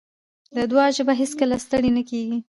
د دعا ژبه هېڅکله ستړې نه کېږي.